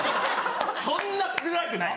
そんな少なくない！